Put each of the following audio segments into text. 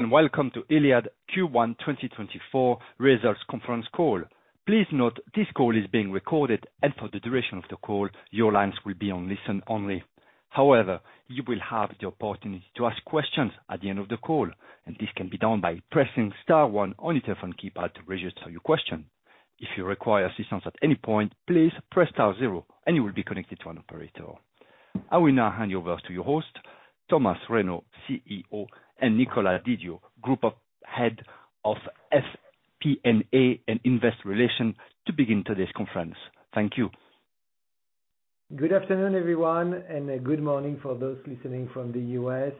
Welcome to Iliad Q1 2024 Results Conference Call. Please note, this call is being recorded, and for the duration of the call, your lines will be on listen only. However, you will have the opportunity to ask questions at the end of the call, and this can be done by pressing star one on your telephone keypad to register your question. If you require assistance at any point, please press star zero, and you will be connected to an operator. I will now hand you over to your host, Thomas Reynaud, CEO, and Nicolas Didio, Group Head of FP&A and Investor Relations, to begin today's conference. Thank you. Good afternoon, everyone, and good morning for those listening from the U.S.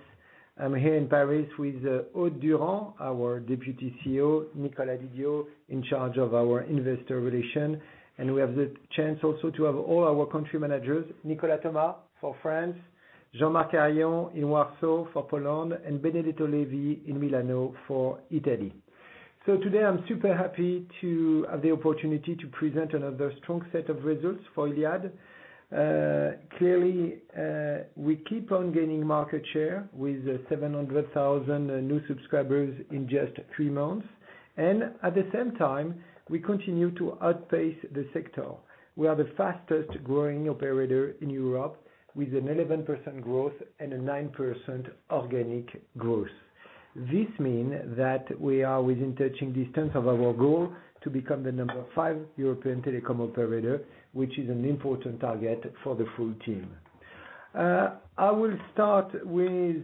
I'm here in Paris with Aude Durand, our Deputy CEO, Nicolas Didio, in charge of our Investor Relations. And we have the chance also to have all our country managers, Nicolas Thomas for France, Jean-Marc Harion in Warsaw for Poland, and Benedetto Levi in Milano for Italy. So today, I'm super happy to have the opportunity to present another strong set of results for Iliad. Clearly, we keep on gaining market share with 700,000 new subscribers in just three months. And at the same time, we continue to outpace the sector. We are the fastest growing operator in Europe with an 11% growth and a 9% organic growth. This means that we are within touching distance of our goal to become the number 5 European telecom operator, which is an important target for the full team. I will start with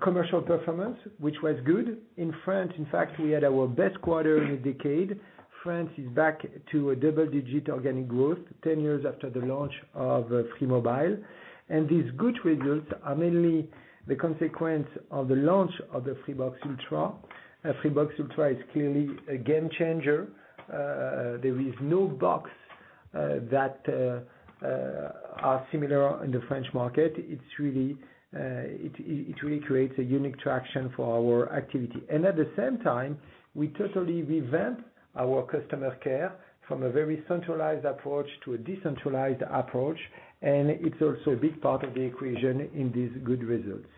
commercial performance, which was good. In France, in fact, we had our best quarter in a decade. France is back to a double-digit organic growth, 10 years after the launch of Free Mobile. And these good results are mainly the consequence of the launch of the Freebox Ultra. Freebox Ultra is clearly a game changer. There is no box that is similar in the French market. It's really creating a unique traction for our activity. At the same time, we totally revamp our customer care from a very centralized approach to a decentralized approach, and it's also a big part of the equation in these good results.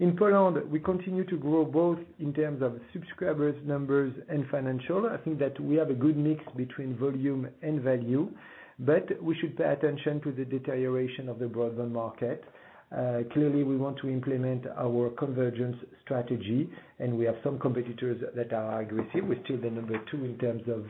In Poland, we continue to grow both in terms of subscribers, numbers, and financial. I think that we have a good mix between volume and value, but we should pay attention to the deterioration of the broadband market. Clearly, we want to implement our convergence strategy, and we have some competitors that are aggressive. We're still the number two in terms of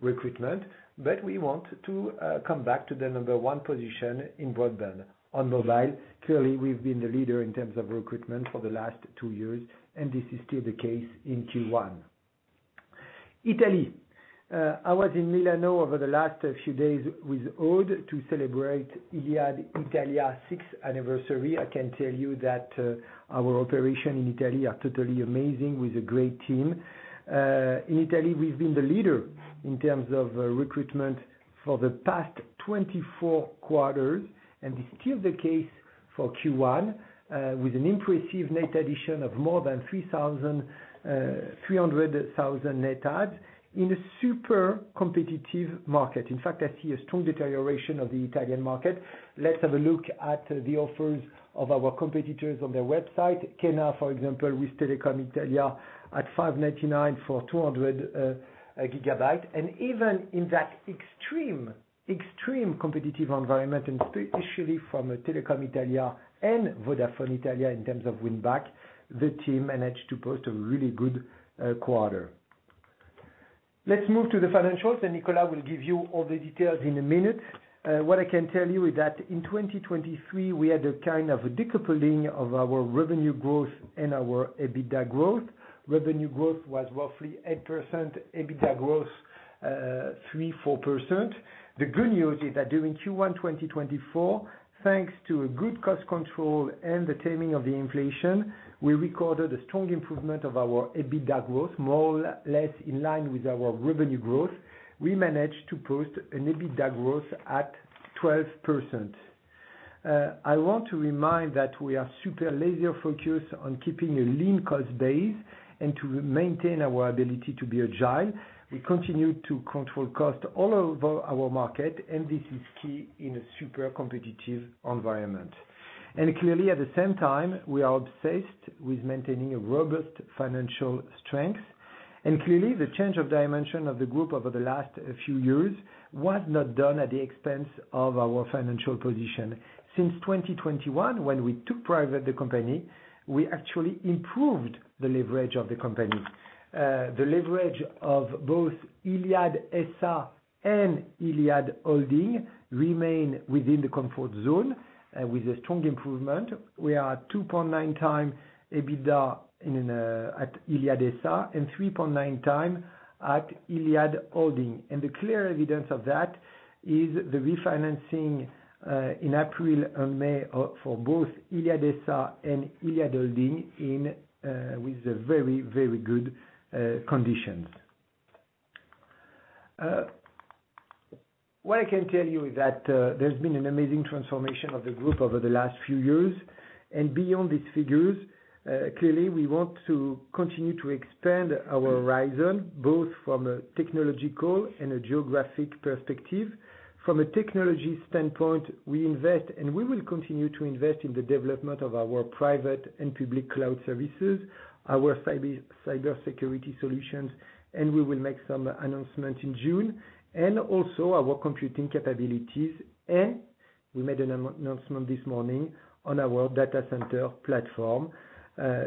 recruitment, but we want to come back to the number one position in broadband. On mobile, clearly, we've been the leader in terms of recruitment for the last two years, and this is still the case in Q1. Italy. I was in Milano over the last few days with Aude to celebrate Iliad Italia sixth anniversary. I can tell you that, our operation in Italy are totally amazing with a great team. In Italy, we've been the leader in terms of, recruitment for the past 24 quarters, and it's still the case for Q1, with an impressive net addition of more than 300,000 net adds in a super competitive market. In fact, I see a strong deterioration of the Italian market. Let's have a look at the offers of our competitors on their website. Kena, for example, with Telecom Italia at 5.99 for 200 GB. Even in that extreme, extreme competitive environment, and especially from Telecom Italia and Vodafone Italia in terms of win back, the team managed to post a really good quarter. Let's move to the financials, and Nicolas will give you all the details in a minute. What I can tell you is that in 2023, we had a kind of a decoupling of our revenue growth and our EBITDA growth. Revenue growth was roughly 8%, EBITDA growth 3%-4%. The good news is that during Q1 2024, thanks to a good cost control and the taming of the inflation, we recorded a strong improvement of our EBITDA growth, more or less in line with our revenue growth. We managed to post an EBITDA growth at 12%. I want to remind that we are super laser focused on keeping a lean cost base and to maintain our ability to be agile. We continue to control cost all over our market, and this is key in a super competitive environment. Clearly, at the same time, we are obsessed with maintaining a robust financial strength. Clearly, the change of dimension of the group over the last few years was not done at the expense of our financial position. Since 2021, when we took private the company, we actually improved the leverage of the company. The leverage of both Iliad S.A. and Iliad Holding remain within the comfort zone, with a strong improvement. We are at 2.9 times EBITDA at Iliad S.A., and 3.9 time at Iliad Holding. The clear evidence of that is the refinancing in April and May for both Iliad S.A. and Iliad Holding in with very, very good conditions. What I can tell you is that, there's been an amazing transformation of the group over the last few years, and beyond these figures, clearly, we want to continue to expand our horizon, both from a technological and a geographic perspective. From a technology standpoint, we invest, and we will continue to invest in the development of our private and public cloud services, our cybersecurity solutions, and we will make some announcements in June. And also our computing capabilities, and we made an announcement this morning on our data center platform.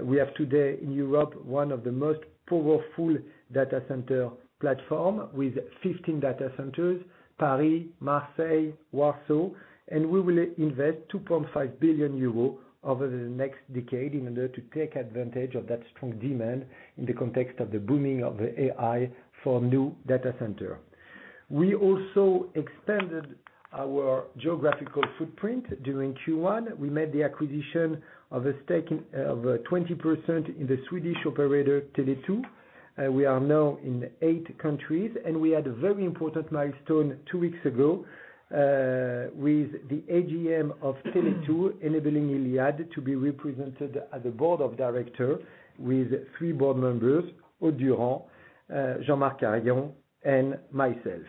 We have today in Europe one of the most powerful data center platforms with 15 data centers, Paris, Marseille, Warsaw, and we will invest 2.5 billion euro over the next decade in order to take advantage of that strong demand in the context of the booming of the AI for new data centers. We also expanded our geographical footprint during Q1. We made the acquisition of a stake of 20% in the Swedish operator, Tele2. We are now in eight countries, and we had a very important milestone two weeks ago with the AGM of Tele2, enabling Iliad to be represented at the board of directors with three board members, Aude Durand, Jean-Marc Harion, and myself.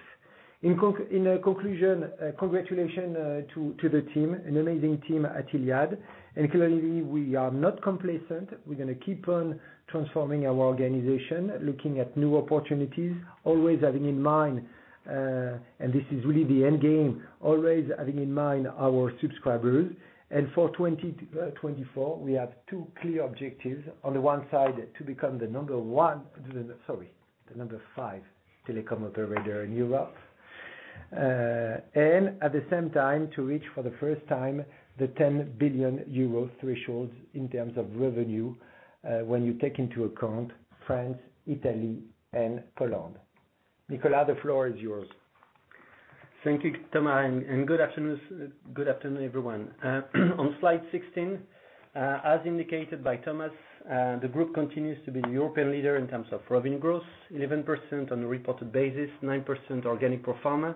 In conclusion, congratulations to the team, an amazing team at Iliad, and clearly, we are not complacent. We're gonna keep on transforming our organization, looking at new opportunities, always having in mind, and this is really the end game, always having in mind our subscribers. For 2024, we have two clear objectives. On the one side, to become the number 5 telecom operator in Europe. And at the same time to reach, for the first time, the 10 billion euro threshold in terms of revenue, when you take into account France, Italy, and Poland. Nicolas, the floor is yours. Thank you, Thomas, and good afternoon, everyone. On slide 16, as indicated by Thomas, the group continues to be the European leader in terms of revenue growth, 11% on a reported basis, 9% organic pro forma.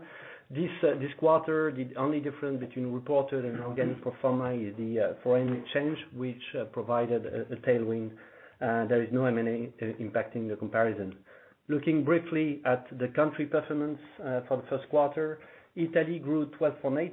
This quarter, the only difference between reported and organic pro forma is the foreign exchange, which provided a tailwind. There is no M&A impacting the comparison. Looking briefly at the country performance, for the first quarter, Italy grew 12.8%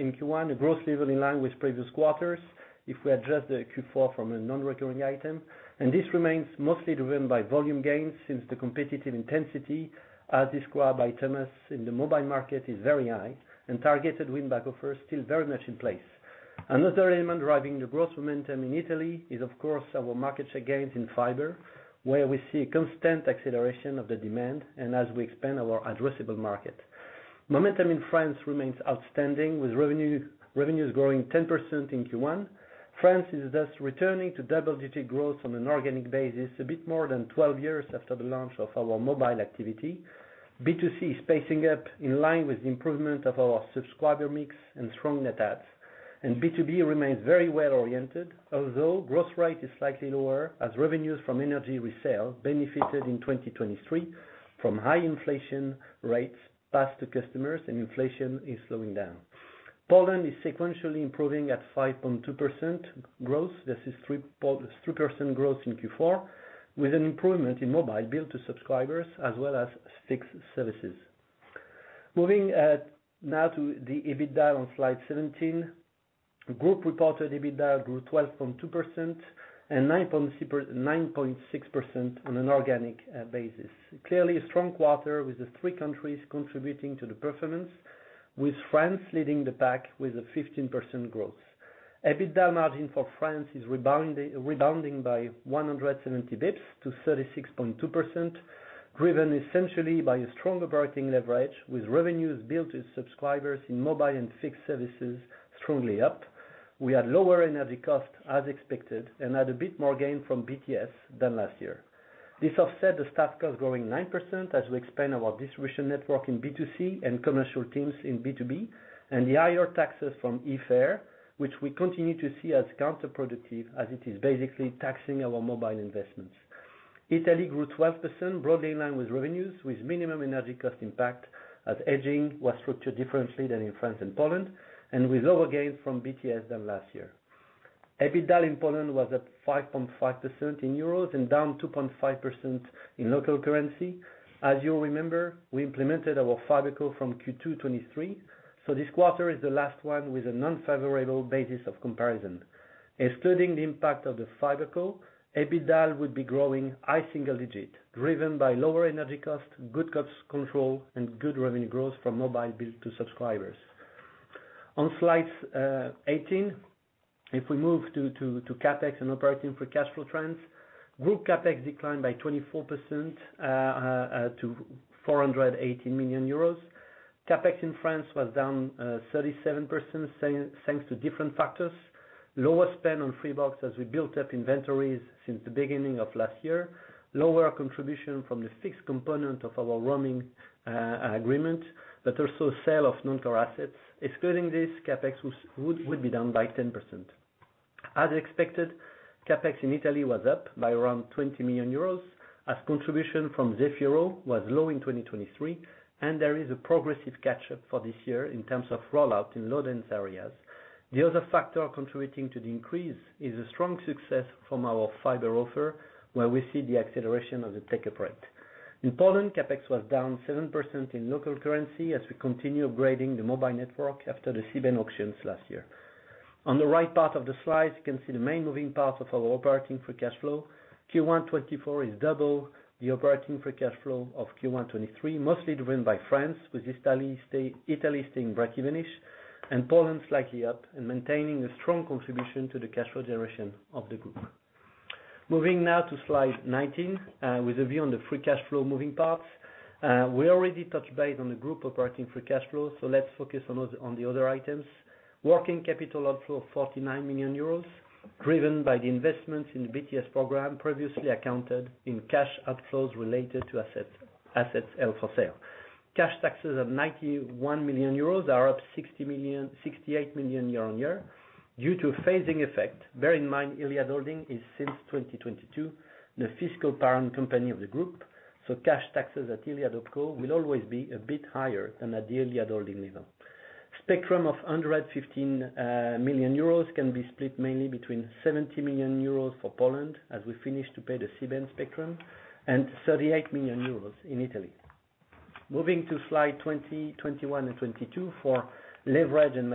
in Q1, a growth level in line with previous quarters, if we adjust the Q4 from a non-recurring item. This remains mostly driven by volume gains, since the competitive intensity, as described by Thomas, in the mobile market, is very high, and targeted win-back offers still very much in place. Another element driving the growth momentum in Italy is, of course, our market share gains in fiber, where we see a constant acceleration of the demand, and as we expand our addressable market. Momentum in France remains outstanding, with revenue, revenues growing 10% in Q1. France is thus returning to double-digit growth on an organic basis, a bit more than 12 years after the launch of our mobile activity. B2C is pacing up in line with the improvement of our subscriber mix and strong net adds, and B2B remains very well oriented, although growth rate is slightly lower, as revenues from energy resale benefited in 2023 from high inflation rates passed to customers, and inflation is slowing down. Poland is sequentially improving at 5.2% growth. This is 3% growth in Q4, with an improvement in mobile billed to subscribers, as well as fixed services. Moving now to the EBITDA on slide 17. Group reported EBITDA grew 12.2% and 9.6% on an organic basis. Clearly a strong quarter, with the three countries contributing to the performance, with France leading the pack with a 15% growth. EBITDA margin for France is rebounding by 170 basis points to 36.2%, driven essentially by a stronger operating leverage, with revenues billed to subscribers in mobile and fixed services strongly up. We had lower energy costs as expected, and had a bit more gain from BTS than last year. This offset the staff cost growing 9%, as we expand our distribution network in B2C and commercial teams in B2B, and the higher taxes from IFER, which we continue to see as counterproductive, as it is basically taxing our mobile investments. Italy grew 12%, broadly in line with revenues, with minimum energy cost impact, as hedging was structured differently than in France and Poland, and with lower gains from BTS than last year. EBITDA in Poland was at 5.5% in euros and down 2.5% in local currency. As you remember, we implemented our FiberCo from Q2 2023, so this quarter is the last one with an unfavorable basis of comparison. Excluding the impact of the FiberCo, EBITDA would be growing high single digit, driven by lower energy costs, good cost control, and good revenue growth from mobile bill to subscribers. On slide eighteen, if we move to CapEx and operating free cash flow trends, group CapEx declined by 24%, to 480 million euros. CapEx in France was down 37%, thanks to different factors. Lower spend on Freebox as we built up inventories since the beginning of last year. Lower contribution from the fixed component of our roaming agreement, but also sale of non-core assets. Excluding this, CapEx would be down by 10%.... As expected, CapEx in Italy was up by around 20 million euros, as contribution from Zefiro was low in 2023, and there is a progressive catch up for this year in terms of rollout in low-dense areas. The other factor contributing to the increase is a strong success from our fiber offer, where we see the acceleration of the take-up rate. In Poland, CapEx was down 7% in local currency, as we continue upgrading the mobile network after the C-band auctions last year. On the right part of the slide, you can see the main moving parts of our operating free cash flow. Q1 2024 is double the operating free cash flow of Q1 2023, mostly driven by France, with Italy staying break-even-ish, and Poland slightly up, and maintaining a strong contribution to the cash flow generation of the group. Moving now to slide 19, with a view on the free cash flow moving parts. We already touched base on the group operating free cash flows, so let's focus on the other items. Working capital outflow of 49 million euros, driven by the investments in the BTS program, previously accounted in cash outflows related to assets, assets held for sale. Cash taxes of 91 million euros are up 68 million year-on-year, due to phasing effect. Bear in mind, Iliad Holding is since 2022, the fiscal parent company of the group, so cash taxes at Iliad OpCo will always be a bit higher than at the Iliad Holding level. Spectrum of 115 million euros can be split mainly between 70 million euros for Poland, as we finish to pay the C-band spectrum, and 38 million euros in Italy. Moving to slide 20, 21, and 22 for leverage and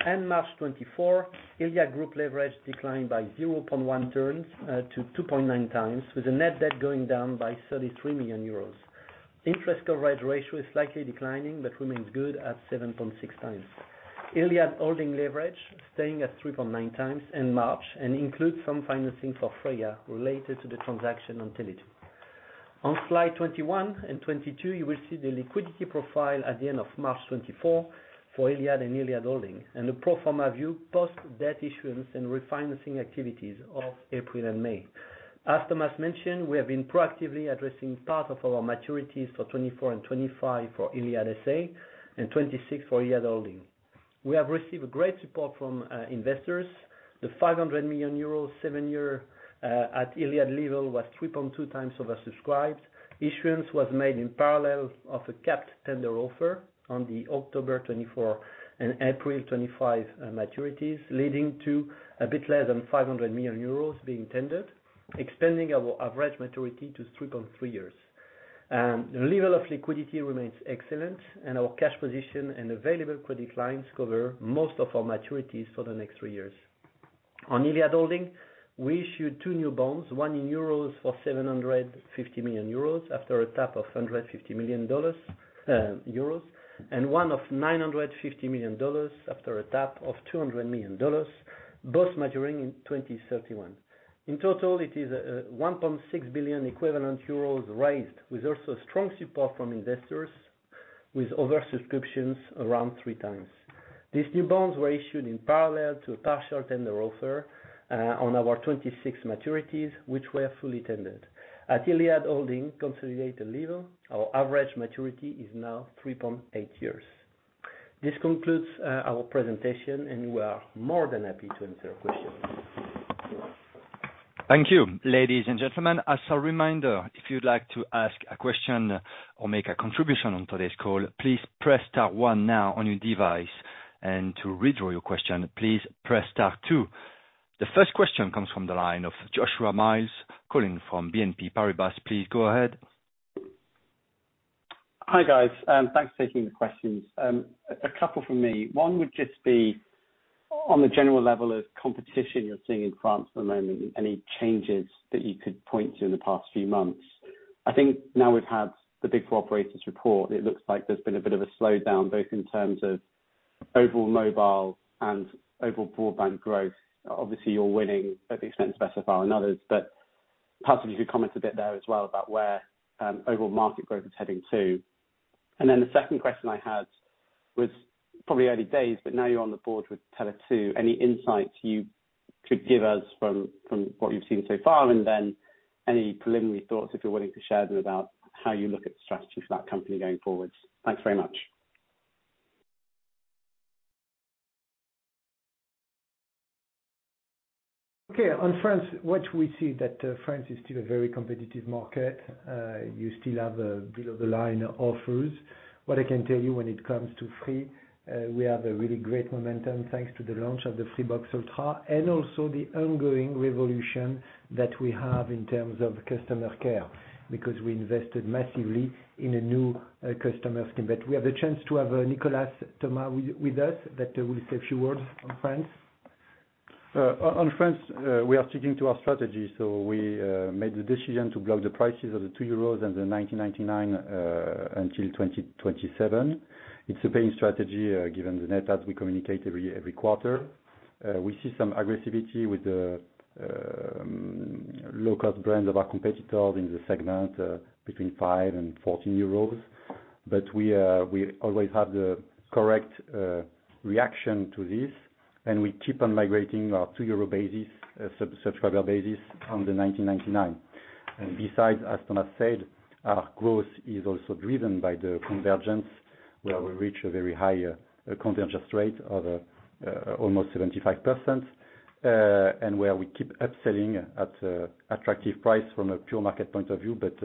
maturities. March 2024, Iliad Group leverage declined by 0.1 turns to 2.9 times, with the net debt going down by 33 million euros. Interest coverage ratio is slightly declining, but remains good at 7.6 times. Iliad Holding leverage, staying at 3.9 times in March, and includes some financing for Freya, related to the transaction on Tele2. On slide 21 and 22, you will see the liquidity profile at the end of March 2024 for Iliad and Iliad Holding, and the pro forma view post debt issuance and refinancing activities of April and May. As Thomas mentioned, we have been proactively addressing part of our maturities for 2024 and 2025 for Iliad SA, and 2026 for Iliad Holding. We have received great support from investors. The 500 million euros, seven-year at Iliad level was 3.2 times oversubscribed. Issuance was made in parallel of a capped tender offer on the October 2024 and April 2025 maturities, leading to a bit less than 500 million euros being tendered, extending our average maturity to 3.3 years. The level of liquidity remains excellent, and our cash position and available credit lines cover most of our maturities for the next 3 years. On Iliad Holding, we issued two new bonds, one in euros for 750 million euros, after a tap of 150 million euros, and one of $950 million after a tap of $200 million, both maturing in 2031. In total, it is 1.6 billion equivalent euros raised, with also strong support from investors, with oversubscriptions around 3 times. These new bonds were issued in parallel to a partial tender offer on our '26 maturities, which were fully tendered. At Iliad Holding consolidated level, our average maturity is now 3.8 years. This concludes our presentation, and we are more than happy to answer your questions. Thank you. Ladies and gentlemen, as a reminder, if you'd like to ask a question or make a contribution on today's call, please press star one now on your device, and to withdraw your question, please press star two. The first question comes from the line of Joshua Mills, calling from BNP Paribas. Please go ahead. Hi, guys. Thanks for taking the questions. A couple from me. One would just be on the general level of competition you're seeing in France at the moment. Any changes that you could point to in the past few months? I think now we've had the big four operators report, it looks like there's been a bit of a slowdown, both in terms of overall mobile and overall broadband growth. Obviously, you're winning at the expense of SFR and others, but possibly you could comment a bit there as well, about where overall market growth is heading to. And then the second question I had was, probably early days, but now you're on the board with Tele2, any insights you could give us from what you've seen so far? Any preliminary thoughts, if you're willing to share them, about how you look at the strategy for that company going forward? Thanks very much. Okay. On France, what we see that, France is still a very competitive market. You still have, below-the-line offers. What I can tell you when it comes to Free, we have a really great momentum, thanks to the launch of the Freebox Ultra, and also the ongoing revolution that we have in terms of customer care, because we invested massively in a new, customer team. But we have a chance to have, Nicolas Thomas with us, that will say a few words on France. On France, we are sticking to our strategy, so we made the decision to block the prices of the €2 and the €19.99 until 2027. It's a paying strategy, given the net adds we communicate every quarter. We see some aggressivity with the low-cost brands of our competitors in the segment between €5 and €14. But we always have the correct reaction to this, and we keep on migrating our €2 subscriber base on the €19.99. And besides, as Thomas said, our growth is also driven by the convergence, where we reach a very high convergence rate of almost 75%. Where we keep upselling at an attractive price from a pure market point of view, but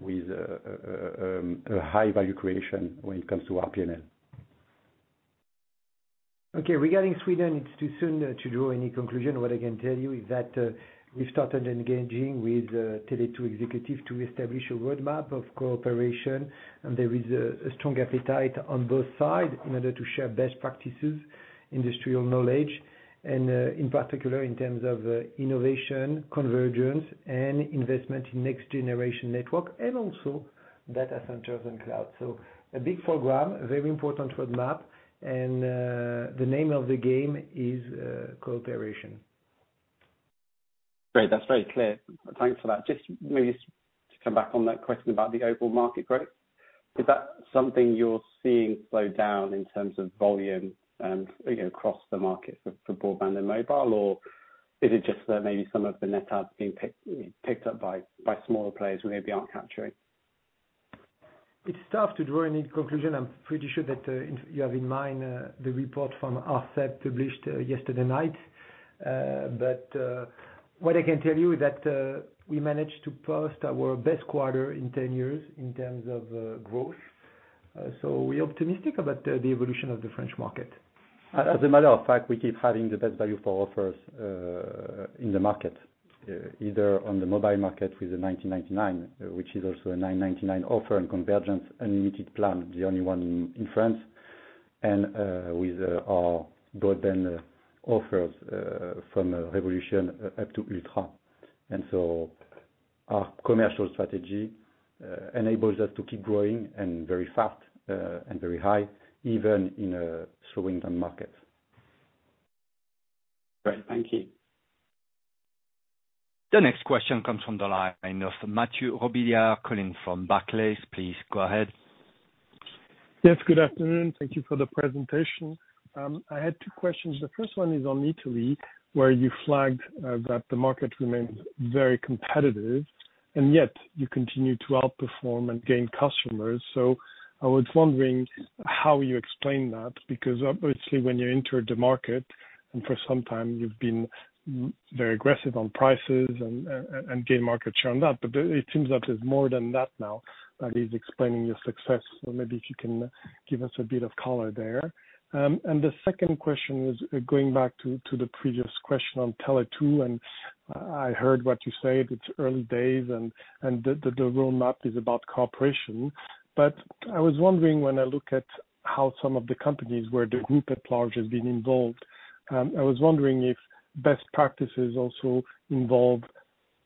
with a high value creation when it comes to our P&L. Okay, regarding Sweden, it's too soon to draw any conclusion. What I can tell you is that we've started engaging with Tele2 executives to establish a roadmap of cooperation, and there is a strong appetite on both sides in order to share best practices, industrial knowledge, and in particular, in terms of innovation, convergence, and investment in next generation network, and also data centers and cloud. So a big program, a very important roadmap, and the name of the game is cooperation. Great. That's very clear. Thanks for that. Just maybe to come back on that question about the overall market growth, is that something you're seeing slow down in terms of volume and, you know, across the market for, for broadband and mobile? Or is it just that maybe some of the net adds are being picked up by smaller players who maybe aren't capturing? It's tough to draw any conclusion. I'm pretty sure that you have in mind the report from ARCEP published yesterday night. But what I can tell you is that we managed to post our best quarter in 10 years in terms of growth. So we're optimistic about the evolution of the French market. As a matter of fact, we keep having the best value for offers in the market, either on the mobile market with the 19.99, which is also a 9.99 offer and convergence unlimited plan, the only one in France, and with our broadband offers from Revolution up to Ultra. And so our commercial strategy enables us to keep growing and very fast and very high, even in a slowing down market. Great, thank you. The next question comes from the line of Mathieu Robilliard, calling from Barclays. Please go ahead. Yes, good afternoon. Thank you for the presentation. I had two questions. The first one is on Italy, where you flagged that the market remains very competitive, and yet you continue to outperform and gain customers. So I was wondering how you explain that, because obviously, when you entered the market, and for some time you've been very aggressive on prices and gain market share on that. But it seems like there's more than that now, that is explaining your success. So maybe if you can give us a bit of color there. And the second question is going back to the previous question on Tele2, and I heard what you said, it's early days, and the roadmap is about cooperation. But I was wondering, when I look at how some of the companies where the group at large has been involved, I was wondering if best practices also involve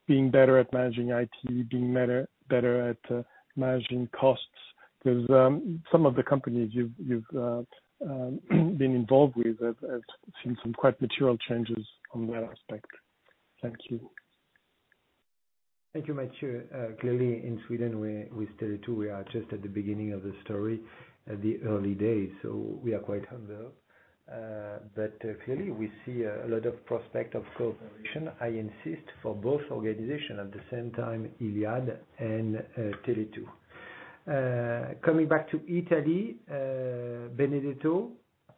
being better at managing IT, being better, better at, managing costs? Because, some of the companies you've been involved with have, has seen some quite material changes on that aspect. Thank you. Thank you, Mathieu. Clearly, in Sweden, we, with Tele2, we are just at the beginning of the story, at the early days, so we are quite humble. But clearly, we see a lot of prospect of cooperation, I insist, for both organization, at the same time, Iliad and Tele2. Coming back to Italy, Benedetto,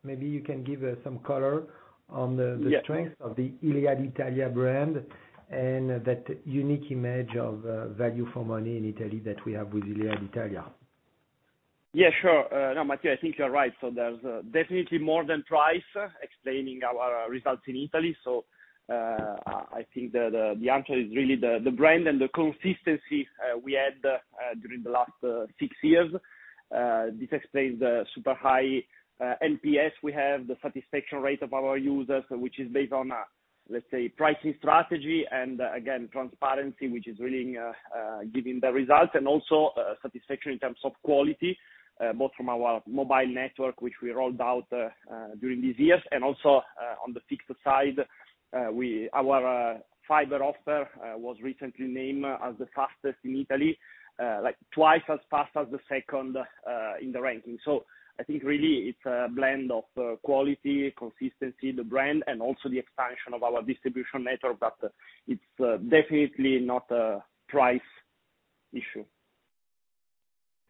maybe you can give some color on the- Yeah... the strength of the Iliad Italia brand, and that unique image of value for money in Italy that we have with Iliad Italia. Yeah, sure. No, Mathieu, I think you're right. So there's definitely more than price explaining our results in Italy. So, I think the answer is really the brand and the consistency we had during the last six years. This explains the super high NPS we have, the satisfaction rate of our users, which is based on, let's say, pricing strategy, and again, transparency, which is really giving the results. And also, satisfaction in terms of quality both from our mobile network, which we rolled out during these years, and also on the fixed side. Our fiber offer was recently named as the fastest in Italy, like twice as fast as the second in the ranking. So I think really it's a blend of, quality, consistency, the brand, and also the expansion of our distribution network. But it's, definitely not a price issue.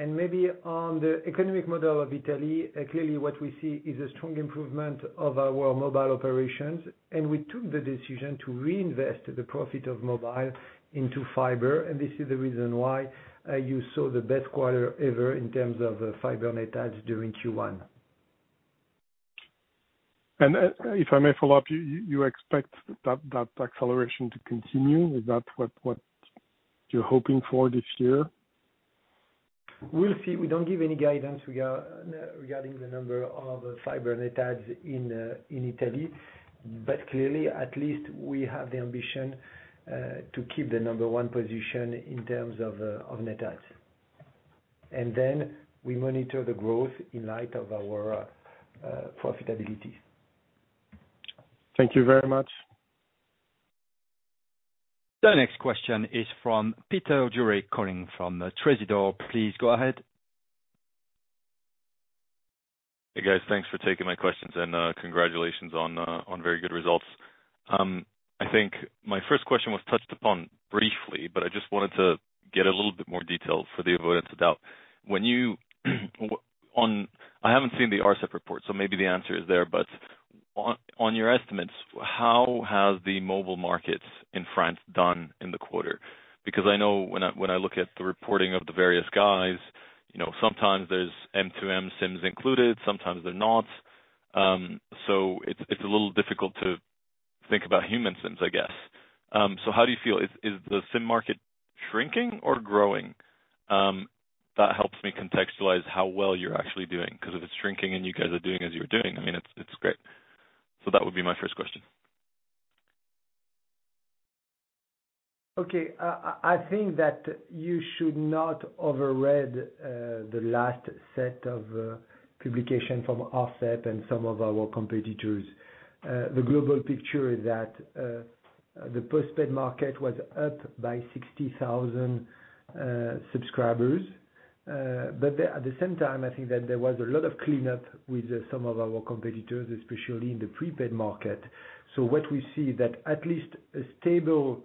And maybe on the economic model of Italy, clearly what we see is a strong improvement of our mobile operations. And we took the decision to reinvest the profit of mobile into fiber, and this is the reason why, you saw the best quarter ever in terms of, fiber net adds during Q1. If I may follow up, you expect that acceleration to continue? Is that what you're hoping for this year? We'll see. We don't give any guidance regarding the number of fiber net adds in Italy. But clearly, at least we have the ambition to keep the number one position in terms of net adds. And then we monitor the growth in light of our profitability. Thank you very much. The next question is from Peter Jury, calling from Tresidder. Please go ahead.... Hey, guys. Thanks for taking my questions, and congratulations on very good results. I think my first question was touched upon briefly, but I just wanted to get a little bit more detail for the avoidance of doubt. When you, I haven't seen the ARCEP report, so maybe the answer is there, but on, on your estimates, how has the mobile markets in France done in the quarter? Because I know when I, when I look at the reporting of the various guys, you know, sometimes there's M2M SIMs included, sometimes they're not. So it's, it's a little difficult to think about human SIMs, I guess. So how do you feel? Is, is the SIM market shrinking or growing? That helps me contextualize how well you're actually doing, 'cause if it's shrinking and you guys are doing as you're doing, I mean, it's, it's great. So that would be my first question. Okay. I think that you should not overread the last set of publication from ARCEP and some of our competitors. The global picture is that the post-paid market was up by 60,000 subscribers. But at the same time, I think that there was a lot of cleanup with some of our competitors, especially in the prepaid market. So what we see that at least a stable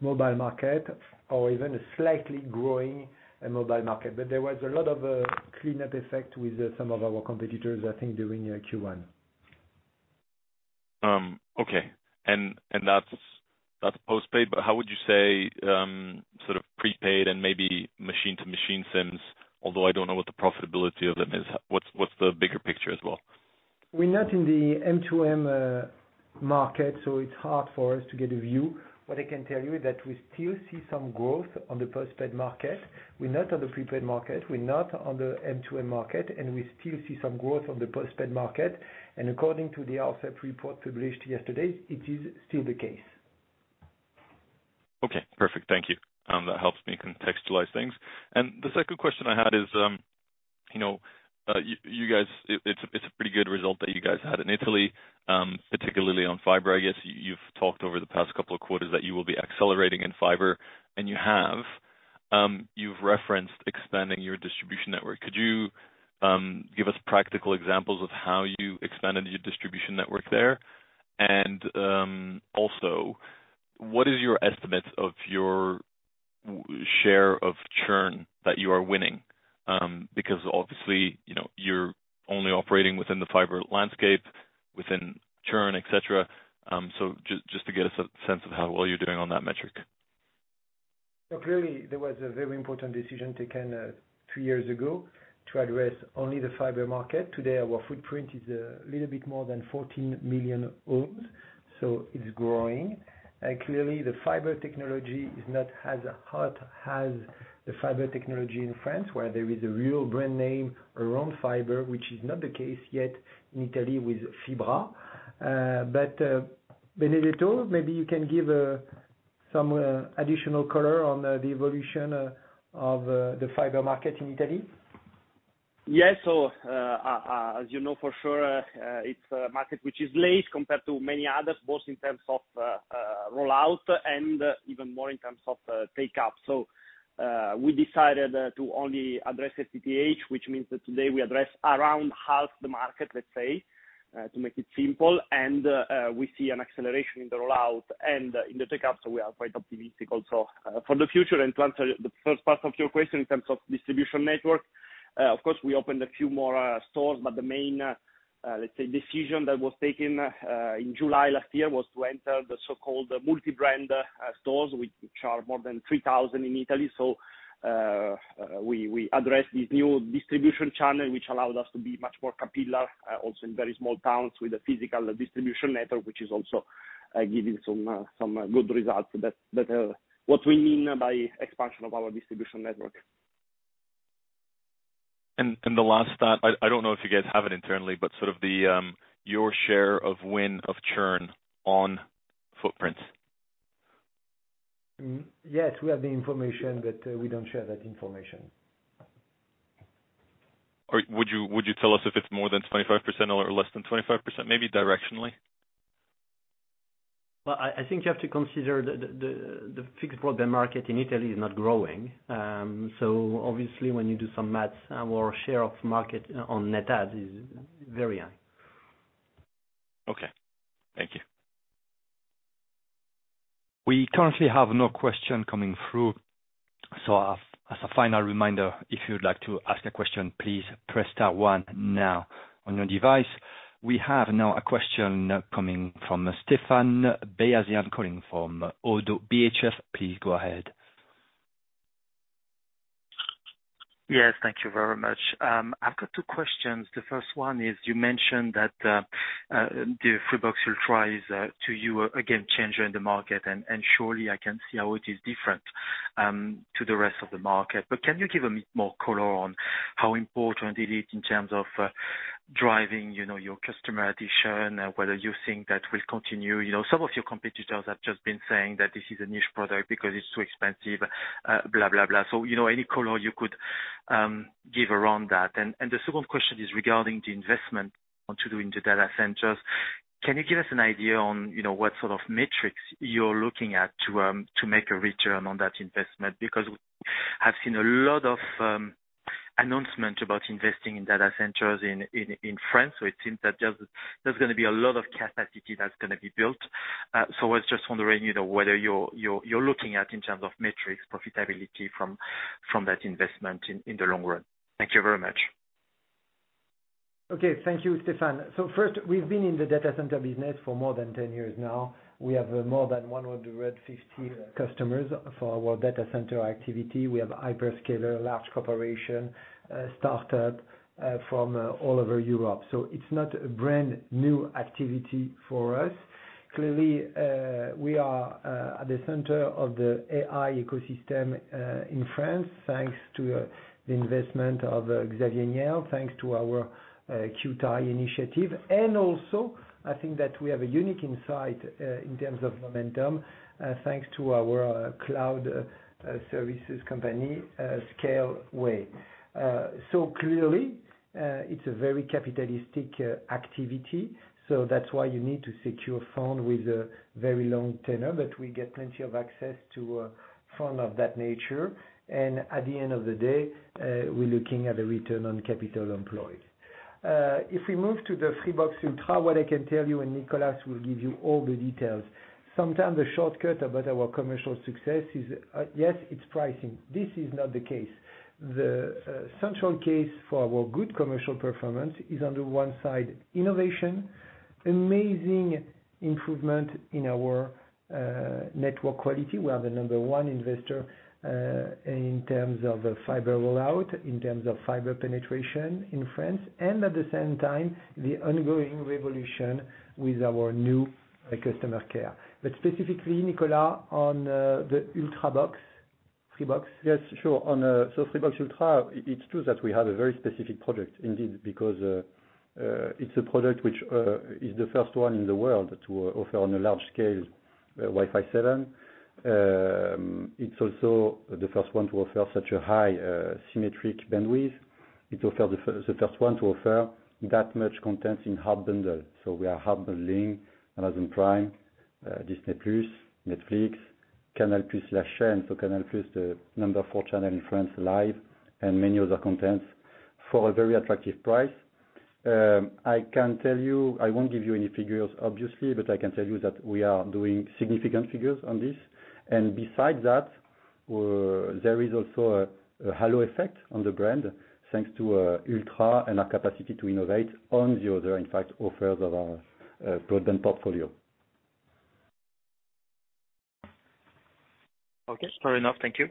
mobile market or even a slightly growing mobile market. But there was a lot of cleanup effect with some of our competitors, I think, during Q1. Okay. And that's post-paid, but how would you say sort of prepaid and maybe machine-to-machine SIMs, although I don't know what the profitability of them is, what's the bigger picture as well? We're not in the M2M market, so it's hard for us to get a view. What I can tell you is that we still see some growth on the post-paid market. We're not on the prepaid market, we're not on the M2M market, and we still see some growth on the post-paid market. According to the ARCEP report published yesterday, it is still the case. Okay, perfect. Thank you. That helps me contextualize things. And the second question I had is, you know, you guys, it's a pretty good result that you guys had in Italy, particularly on fiber. I guess, you've talked over the past couple of quarters that you will be accelerating in fiber, and you have. You've referenced expanding your distribution network. Could you give us practical examples of how you expanded your distribution network there? And, also, what is your estimate of your share of churn that you are winning? Because obviously, you know, you're only operating within the fiber landscape, within churn, et cetera. So just to get us a sense of how well you're doing on that metric. So clearly, there was a very important decision taken three years ago to address only the fiber market. Today, our footprint is a little bit more than 14 million homes, so it's growing. Clearly the fiber technology is not as hot as the fiber technology in France, where there is a real brand name around fiber, which is not the case yet in Italy with fibra. But, Benedetto, maybe you can give some additional color on the evolution of the fiber market in Italy. Yes. So, as you know for sure, it's a market which is late compared to many others, both in terms of, rollout and even more in terms of, take-up. So, we decided to only address FTTH, which means that today we address around half the market, let's say, to make it simple. And, we see an acceleration in the rollout and in the take-up, so we are quite optimistic also, for the future. And to answer the first part of your question in terms of distribution network, of course, we opened a few more, stores, but the main, let's say, decision that was taken, in July last year, was to enter the so-called multi-brand, stores, which are more than 3,000 in Italy. So, we address this new distribution channel, which allowed us to be much more capillary, also in very small towns with a physical distribution network, which is also giving some good results. That, what we mean by expansion of our distribution network. The last stat, I don't know if you guys have it internally, but sort of your share of win of churn on footprints. Yes, we have the information, but we don't share that information. Or would you, would you tell us if it's more than 25% or less than 25%? Maybe directionally. Well, I think you have to consider the fixed broadband market in Italy is not growing. So obviously when you do some math, our share of market on net add is very high. Okay, thank you. We currently have no question coming through, so as a final reminder, if you'd like to ask a question, please press star one now on your device. We have now a question coming from Stéphane Beyazian, calling from ODDO BHF. Please go ahead. Yes, thank you very much. I've got two questions. The first one is, you mentioned that the Freebox Révolution is to you a game changer in the market, and surely I can see how it is different to the rest of the market. But can you give a bit more color on how important it is in terms of driving, you know, your customer acquisition, whether you think that will continue? You know, some of your competitors have just been saying that this is a niche product because it's too expensive, blah, blah, blah. So, you know, any color you could give around that. And the second question is regarding the investment want to do in the data centers. Can you give us an idea on, you know, what sort of metrics you're looking at to make a return on that investment? Because I've seen a lot of announcement about investing in data centers in France, so it seems that there's gonna be a lot of capacity that's gonna be built. So I was just wondering, you know, whether you're looking at in terms of metrics, profitability from that investment in the long run. Thank you very much. Okay, thank you, Stefan. So first, we've been in the data center business for more than 10 years now. We have more than 150 customers for our data center activity. We have hyperscaler, large corporation started from all over Europe, so it's not a brand new activity for us. Clearly, we are at the center of the AI ecosystem in France, thanks to the investment of Xavier Niel, thanks to our Kyutai initiative. And also, I think that we have a unique insight in terms of momentum, thanks to our cloud services company, Scaleway. So clearly, it's a very capitalistic activity, so that's why you need to secure fund with a very long tenure, but we get plenty of access to fund of that nature. At the end of the day, we're looking at a return on capital employed. If we move to the Freebox Ultra, what I can tell you, and Nicolas will give you all the details, sometimes the shortcut about our commercial success is, yes, it's pricing. This is not the case. The central case for our good commercial performance is under one side innovation, amazing improvement in our network quality. We are the number one investor in terms of fiber rollout, in terms of fiber penetration in France, and at the same time, the ongoing revolution with our new customer care. But specifically, Nicolas, on the Freebox Ultra? Yes, sure. On so Freebox Ultra, it's true that we have a very specific product indeed, because, it's a product which, is the first one in the world to, offer on a large scale, Wi-Fi 7. It's also the first one to offer such a high symmetric bandwidth. It offer the first one to offer that much content in hard bundle. So we are hard bundling Amazon Prime, Disney Plus, Netflix, Canal+ La Chaîne, so Canal+ is the number four channel in France live, and many other contents for a very attractive price. I can tell you, I won't give you any figures, obviously, but I can tell you that we are doing significant figures on this. And besides that, there is also a halo effect on the brand, thanks to Ultra and our capacity to innovate on the other, in fact, offers of our broadband portfolio. Okay, fair enough. Thank you.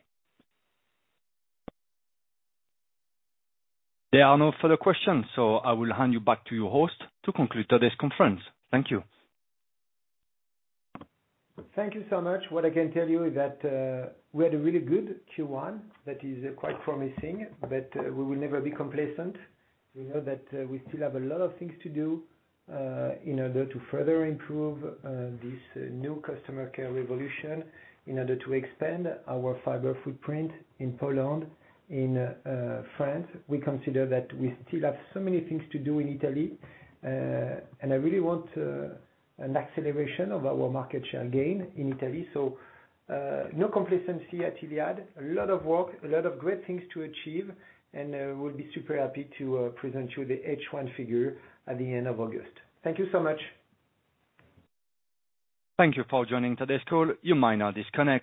There are no further questions, so I will hand you back to your host to conclude today's conference. Thank you. Thank you so much. What I can tell you is that, we had a really good Q1 that is quite promising, but, we will never be complacent. We know that, we still have a lot of things to do, in order to further improve, this new customer care revolution, in order to expand our fiber footprint in Poland, in, France. We consider that we still have so many things to do in Italy, and I really want, an acceleration of our market share gain in Italy. So, no complacency at Iliad. A lot of work, a lot of great things to achieve, and, we'll be super happy to, present you the H1 figure at the end of August. Thank you so much. Thank you for joining today's call. You may now disconnect.